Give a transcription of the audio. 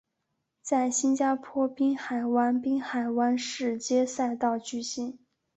在新加坡滨海湾滨海湾市街赛道举行。